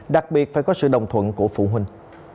đặc biệt phải có sự đồng thuận của phụ huynh